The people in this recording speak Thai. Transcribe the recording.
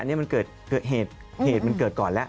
อันนี้มันเกิดเหตุเหตุมันเกิดก่อนแล้ว